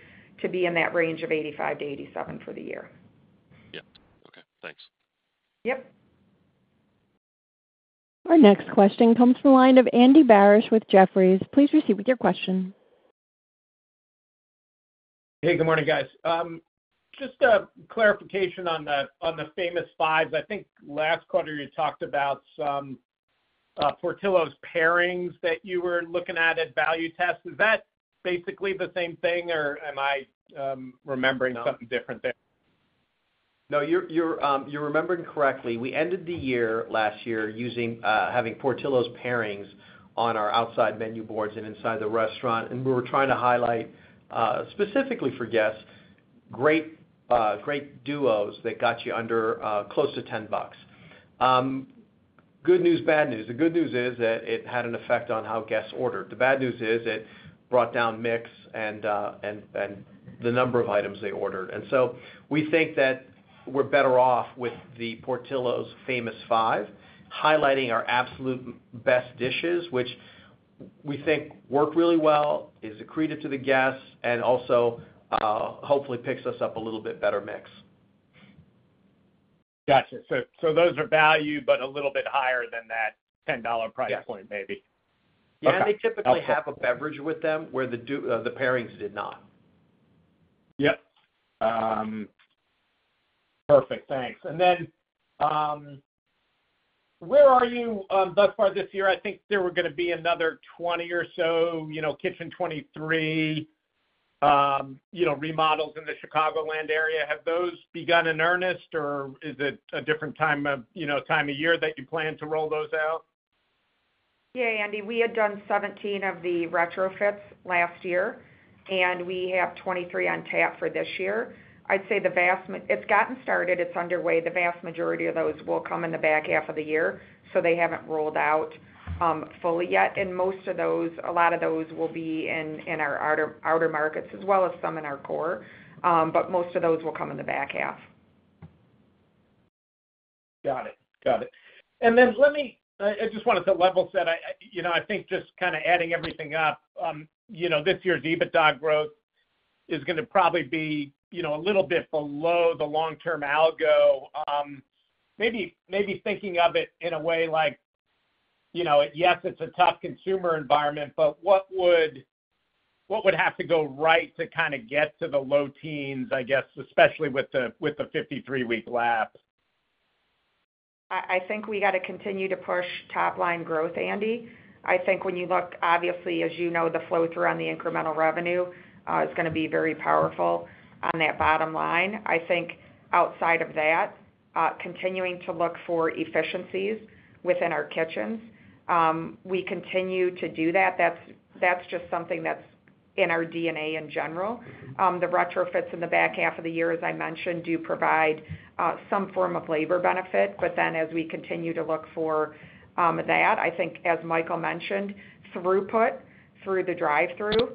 to be in that range of 85-87 for the year. Yep. Okay. Thanks. Yep. Our next question comes from a line of Andy Barish with Jefferies. Please proceed with your question. Hey. Good morning, guys. Just a clarification on the famous fives. I think last quarter, you talked about some Portillo's Pairings that you were looking at value test. Is that basically the same thing, or am I remembering something different there? No. No, you're, you're, you're remembering correctly. We ended the year last year using, having Portillo's Pairings on our outside menu boards and inside the restaurant. And we were trying to highlight, specifically for guests, great, great duos that got you under, close to $10. Good news, bad news. The good news is that it had an effect on how guests ordered. The bad news is it brought down mix and the number of items they ordered. And so we think that we're better off with the Portillo's Famous Five, highlighting our absolute best dishes, which we think work really well, is accretive to the guests, and also, hopefully, picks us up a little bit better mix. Gotcha. So those are value but a little bit higher than that $10 price point maybe. Yes. Okay. Yeah. And they typically have a beverage with them where the pairings did not. Yep. Perfect. Thanks. And then, where are you thus far this year? I think there were going to be another 20 or so, you know, Kitchen 23, you know, remodels in the Chicagoland area. Have those begun in earnest, or is it a different time of, you know, time of year that you plan to roll those out? Yeah, Andy. We had done 17 of the retrofits last year. And we have 23 on tap for this year. I'd say the vast majority it's gotten started. It's underway. The vast majority of those will come in the back half of the year. So they haven't rolled out fully yet. And most of those, a lot of those, will be in our outer markets as well as some in our core. But most of those will come in the back half. Got it. Got it. And then let me, I just wanted to level set. I you know, I think just kind of adding everything up, you know, this year's EBITDA growth is going to probably be, you know, a little bit below the long-term algo. Maybe, maybe thinking of it in a way like, you know, yes, it's a tough consumer environment, but what would have to go right to kind of get to the low teens, I guess, especially with the 53-week lapse? I think we got to continue to push top-line growth, Andy. I think when you look obviously, as you know, the flow-through on the incremental revenue is going to be very powerful on that bottom line. I think outside of that, continuing to look for efficiencies within our kitchens, we continue to do that. That's just something that's in our DNA in general. The retrofits in the back half of the year, as I mentioned, do provide some form of labor benefit. But then as we continue to look for that, I think, as Michael mentioned, throughput through the drive-through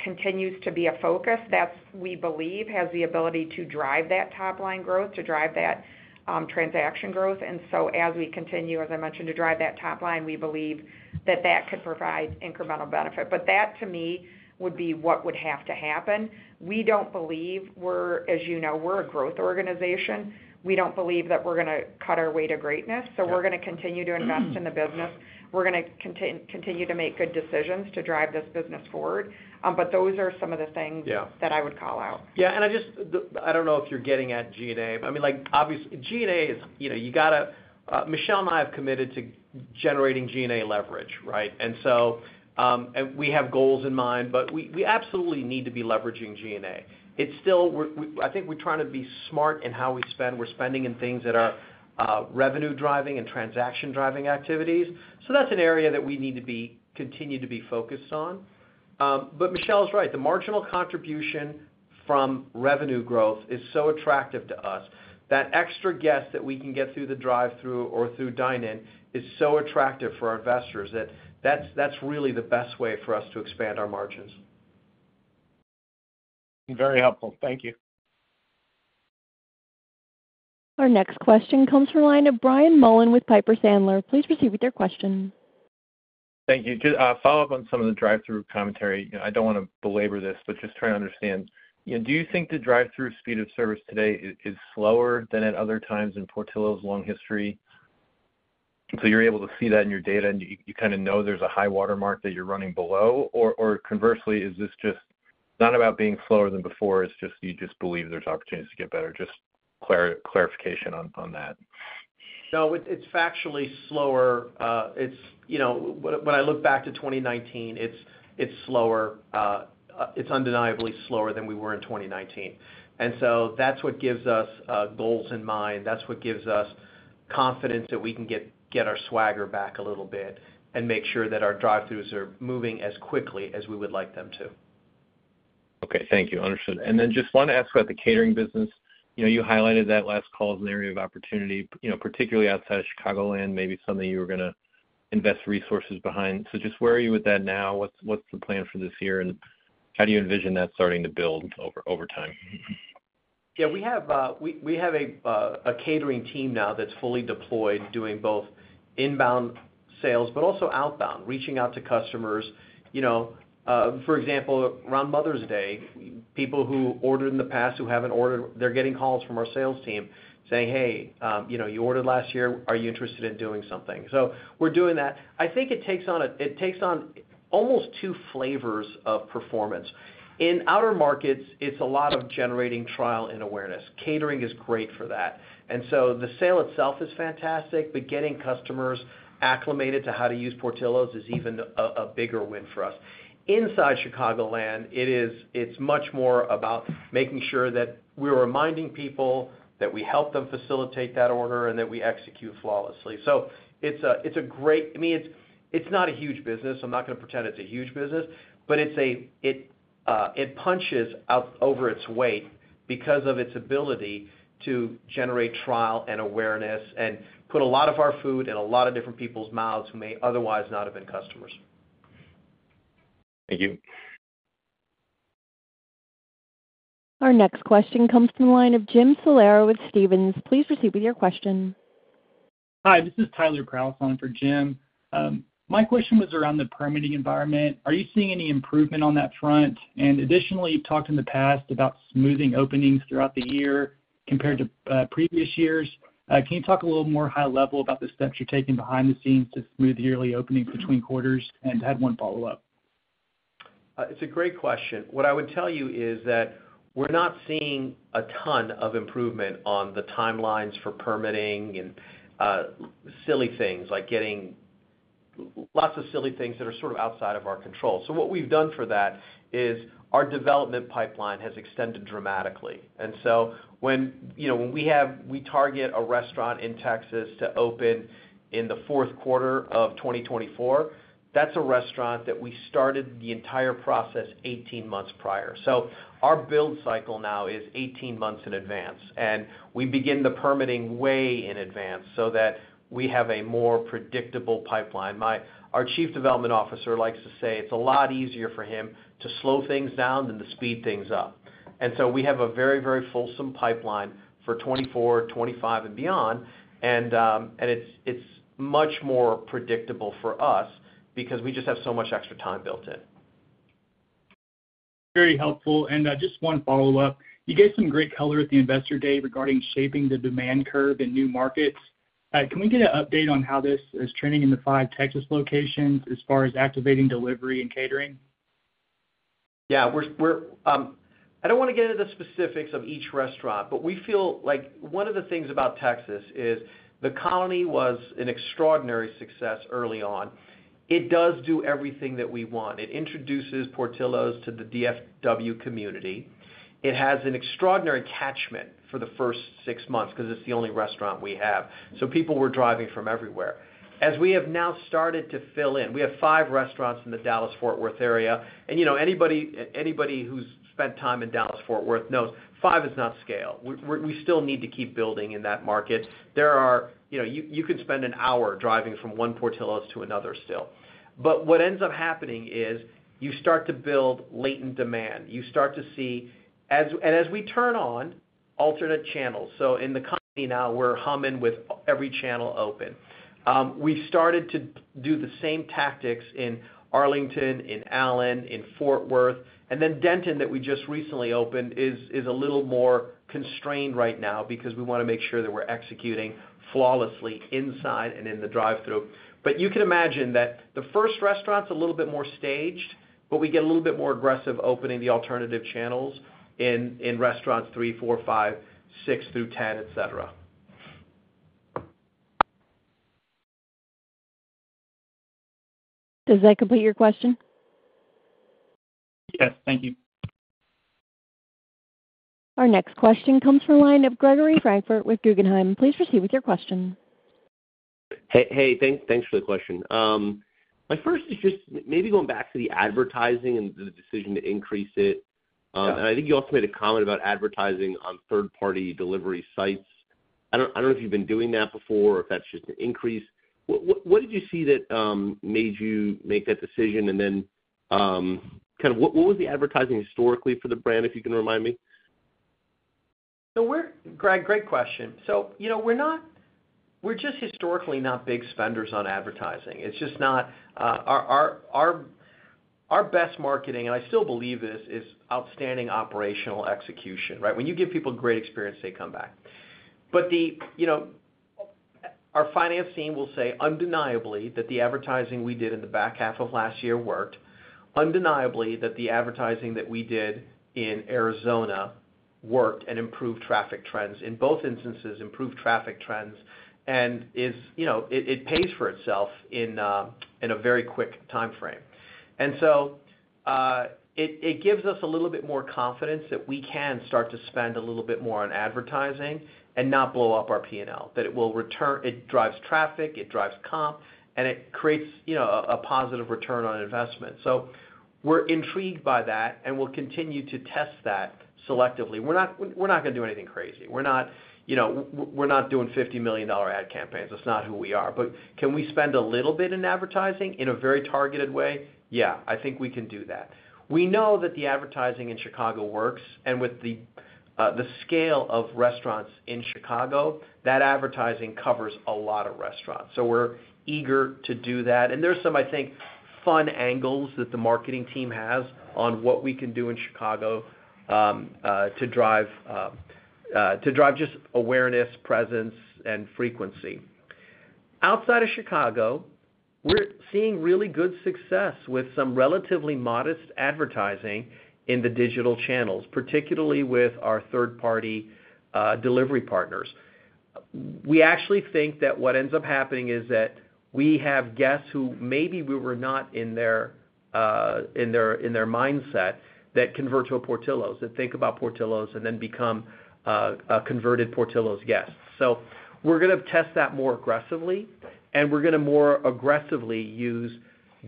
continues to be a focus. That's, we believe, has the ability to drive that top-line growth, to drive that transaction growth. And so as we continue, as I mentioned, to drive that top line, we believe that that could provide incremental benefit. But that, to me, would be what would have to happen. We don't believe we're, as you know, we're a growth organization. We don't believe that we're going to cut our way to greatness. So we're going to continue to invest in the business. We're going to continue to make good decisions to drive this business forward. But those are some of the things. Yeah. That I would call out. Yeah. And I just don't know if you're getting at G&A. I mean, like, obviously, G&A is, you know, Michelle and I have committed to generating G&A leverage, right? And so, and we have goals in mind. But we, we absolutely need to be leveraging G&A. It's still we're, I think we're trying to be smart in how we spend. We're spending in things that are revenue-driving and transaction-driving activities. So that's an area that we need to continue to be focused on. But Michelle's right. The marginal contribution from revenue growth is so attractive to us. That extra guest that we can get through the drive-through or through dine-in is so attractive for our investors that that's really the best way for us to expand our margins. Very helpful. Thank you. Our next question comes from a line of Brian Mullan with Piper Sandler. Please proceed with your question. Thank you. Just follow up on some of the drive-through commentary. You know, I don't want to belabor this, but just trying to understand, you know, do you think the drive-through speed of service today is slower than at other times in Portillo's long history? So you're able to see that in your data, and you kind of know there's a high watermark that you're running below? Or conversely, is this just not about being slower than before? It's just you just believe there's opportunities to get better. Just clarification on that. No. It's factually slower. It's you know, when I look back to 2019, it's slower. It's undeniably slower than we were in 2019. And so that's what gives us goals in mind. That's what gives us confidence that we can get our swagger back a little bit and make sure that our drive-throughs are moving as quickly as we would like them to. Okay. Thank you. Understood. And then just want to ask about the catering business. You know, you highlighted that last call as an area of opportunity, you know, particularly outside of Chicagoland, maybe something you were going to invest resources behind. So just where are you with that now? What's the plan for this year? And how do you envision that starting to build over time? Yeah. We have a catering team now that's fully deployed doing both inbound sales but also outbound, reaching out to customers. You know, for example, around Mother's Day, people who ordered in the past who haven't ordered, they're getting calls from our sales team saying, "Hey, you know, you ordered last year. Are you interested in doing something?" So we're doing that. I think it takes on almost two flavors of performance. In outer markets, it's a lot of generating trial and awareness. Catering is great for that. And so the sale itself is fantastic. But getting customers acclimated to how to use Portillo's is even a bigger win for us. Inside Chicagoland, it's much more about making sure that we're reminding people that we help them facilitate that order, and that we execute flawlessly. So it's a great. I mean, it's not a huge business. I'm not going to pretend it's a huge business. But it punches out over its weight because of its ability to generate trial and awareness and put a lot of our food in a lot of different people's mouths who may otherwise not have been customers. Thank you. Our next question comes from a line of Jim Salera with Stephens. Please proceed with your question. Hi. This is Tyler Kraus for Jim. My question was around the permitting environment. Are you seeing any improvement on that front? And additionally, you've talked in the past about smoothing openings throughout the year compared to previous years. Can you talk a little more high-level about the steps you're taking behind the scenes to smooth yearly openings between quarters? And I had one follow-up. It's a great question. What I would tell you is that we're not seeing a ton of improvement on the timelines for permitting and a lot of silly things like getting lots of silly things that are sort of outside of our control. So what we've done for that is our development pipeline has extended dramatically. And so when, you know, we target a restaurant in Texas to open in the fourth quarter of 2024, that's a restaurant that we started the entire process 18 months prior. So our build cycle now is 18 months in advance. And we begin the permitting way in advance so that we have a more predictable pipeline. Our Chief Development Officer likes to say it's a lot easier for him to slow things down than to speed things up. So we have a very, very fulsome pipeline for 2024, 2025, and beyond. It's much more predictable for us because we just have so much extra time built in. Very helpful. Just one follow-up. You gave some great color at the Investor Day regarding shaping the demand curve in new markets. Can we get an update on how this is trending in the five Texas locations as far as activating delivery and catering? Yeah. We're I don't want to get into the specifics of each restaurant. But we feel like one of the things about Texas is The Colony was an extraordinary success early on. It does do everything that we want. It introduces Portillo's to the DFW community. It has an extraordinary catchment for the first six months because it's the only restaurant we have. So people were driving from everywhere. As we have now started to fill in we have five restaurants in the Dallas-Fort Worth area. And, you know, anybody who's spent time in Dallas-Fort Worth knows five is not scale. We still need to keep building in that market. There you know, you can spend an hour driving from one Portillo's to another still. But what ends up happening is you start to build latent demand. You start to see as we turn on alternate channels. So in The Colony now, we're humming with every channel open. We've started to do the same tactics in Arlington, in Allen, in Fort Worth. And then Denton that we just recently opened is a little more constrained right now because we want to make sure that we're executing flawlessly inside and in the drive-through. But you can imagine that the first restaurant's a little bit more staged, but we get a little bit more aggressive opening the alternative channels in restaurants three, four, five, six through 10, etc. Does that complete your question? Yes. Thank you. Our next question comes from a line of Gregory Francfort with Guggenheim. Please proceed with your question. Hey, hey. Thanks, thanks for the question. My first is just maybe going back to the advertising and the decision to increase it. Yeah. And I think you also made a comment about advertising on third-party delivery sites. I don't know if you've been doing that before or if that's just an increase. What did you see that made you make that decision? And then, kind of what was the advertising historically for the brand, if you can remind me? So, Greg, great question. So, you know, we're just historically not big spenders on advertising. It's just not our best marketing and I still believe this is outstanding operational execution, right? When you give people a great experience, they come back. But, you know, our finance team will say undeniably that the advertising we did in the back half of last year worked, undeniably that the advertising that we did in Arizona worked and improved traffic trends. In both instances, improved traffic trends and, you know, it pays for itself in a very quick time frame. And so, it gives us a little bit more confidence that we can start to spend a little bit more on advertising and not blow up our P&L, that it will return. It drives traffic. It drives comp. And it creates, you know, a positive return on investment. So we're intrigued by that. And we'll continue to test that selectively. We're not going to do anything crazy. We're not, you know, doing $50 million ad campaigns. That's not who we are. But can we spend a little bit in advertising in a very targeted way? Yeah. I think we can do that. We know that the advertising in Chicago works. And with the scale of restaurants in Chicago, that advertising covers a lot of restaurants. So we're eager to do that. And there's some, I think, fun angles that the marketing team has on what we can do in Chicago, to drive just awareness, presence, and frequency. Outside of Chicago, we're seeing really good success with some relatively modest advertising in the digital channels, particularly with our third-party delivery partners. We actually think that what ends up happening is that we have guests who maybe we were not in their mindset that convert to a Portillo's, that think about Portillo's, and then become converted Portillo's guests. So we're going to test that more aggressively. We're going to more aggressively use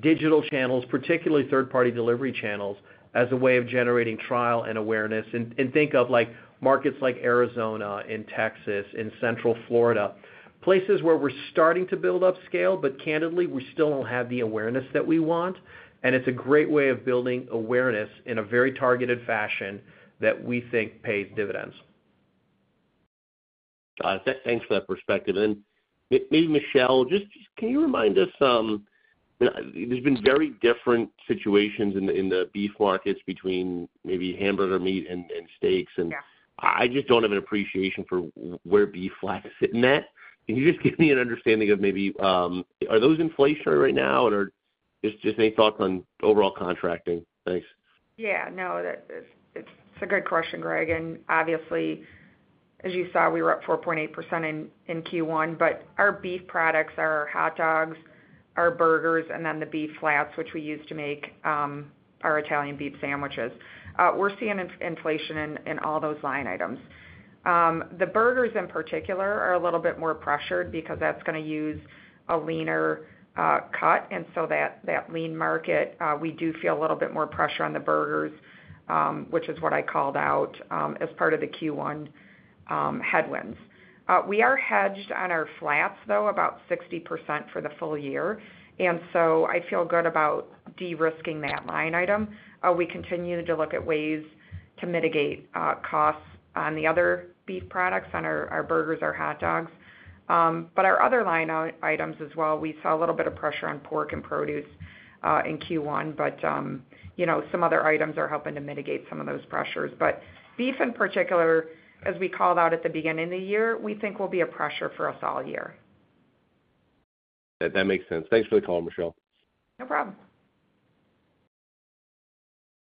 digital channels, particularly third-party delivery channels, as a way of generating trial and awareness and think of, like, markets like Arizona, in Texas, in Central Florida, places where we're starting to build up scale. But candidly, we still don't have the awareness that we want. And it's a great way of building awareness in a very targeted fashion that we think pays dividends. Thanks for that perspective. And maybe, Michelle, just can you remind us, I mean, there's been very different situations in the beef markets between maybe hamburger meat and steaks. And. Yeah. I just don't have an appreciation for where beef lacks in that. Can you just give me an understanding of maybe are those inflationary right now? And just any thoughts on overall contracting? Thanks. Yeah. No. That's a great question, Greg. And obviously, as you saw, we were up 4.8% in Q1. But our beef products are our hot dogs, our burgers, and then the beef flats, which we use to make our Italian beef sandwiches. We're seeing inflation in all those line items. The burgers in particular are a little bit more pressured because that's going to use a leaner cut. And so that lean market, we do feel a little bit more pressure on the burgers, which is what I called out as part of the Q1 headwinds. We are hedged on our flats, though, about 60% for the full year. And so I feel good about de-risking that line item. We continue to look at ways to mitigate costs on the other beef products, on our burgers, our hot dogs. But our other line items as well, we saw a little bit of pressure on pork and produce, in Q1. But, you know, some other items are helping to mitigate some of those pressures. But beef in particular, as we called out at the beginning of the year, we think will be a pressure for us all year. That makes sense. Thanks for the call, Michelle. No problem.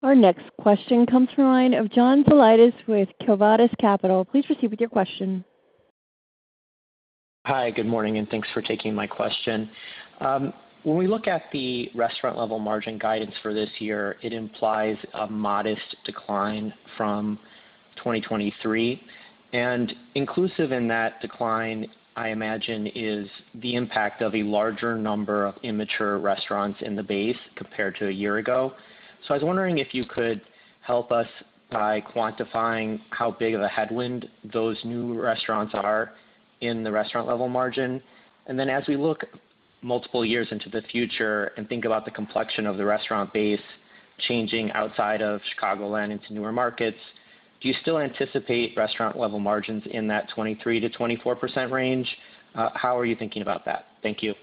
Our next question comes from a line of John Zolidis with Quo Vadis Capital. Please proceed with your question. Hi. Good morning. Thanks for taking my question. When we look at the restaurant-level margin guidance for this year, it implies a modest decline from 2023. Inclusive in that decline, I imagine, is the impact of a larger number of immature restaurants in the base compared to a year ago. I was wondering if you could help us by quantifying how big of a headwind those new restaurants are in the restaurant-level margin. Then as we look multiple years into the future and think about the complexion of the restaurant base changing outside of Chicagoland into newer markets, do you still anticipate restaurant-level margins in that 23%-24% range? How are you thinking about that? Thank you.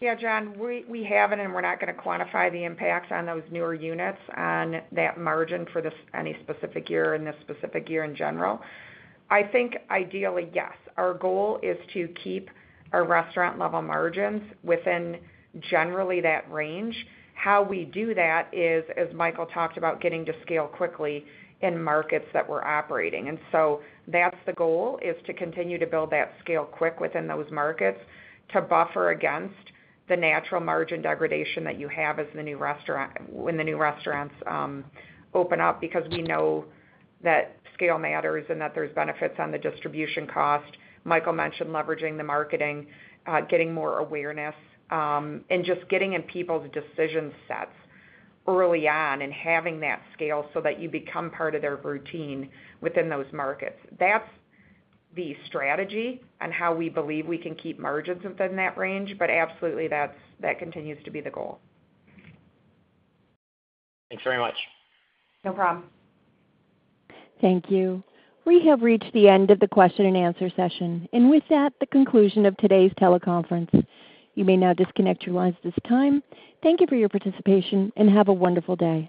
Yeah, John. We, we haven't. And we're not going to quantify the impacts on those newer units, on that margin for this any specific year and this specific year in general. I think, ideally, yes. Our goal is to keep our Restaurant-Level Margins within, generally, that range. How we do that is, as Michael talked about, getting to scale quickly in markets that we're operating. And so that's the goal, is to continue to build that scale quick within those markets to buffer against the natural margin degradation that you have as the new restaurant when the new restaurants, open up because we know that scale matters and that there's benefits on the distribution cost. Michael mentioned leveraging the marketing, getting more awareness, and just getting in people's decision sets early on and having that scale so that you become part of their routine within those markets. That's the strategy and how we believe we can keep margins within that range. But absolutely, that's. That continues to be the goal. Thanks very much. No problem. Thank you. We have reached the end of the question-and-answer session. With that, the conclusion of today's teleconference. You may now disconnect your lines at this time. Thank you for your participation. Have a wonderful day.